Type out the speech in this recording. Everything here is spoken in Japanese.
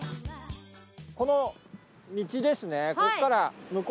この道ですね。